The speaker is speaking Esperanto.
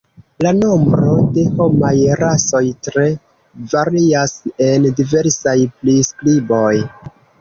La nombro de homaj rasoj tre varias en diversaj priskriboj.